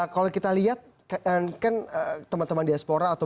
kalau kita lihat kan teman teman diaspora atau